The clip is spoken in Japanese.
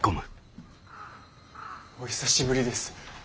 お久しぶりです